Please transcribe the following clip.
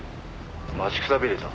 待ちくたびれた」